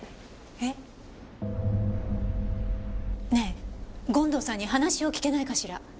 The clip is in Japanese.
えっ？ねえ権藤さんに話を聞けないかしら？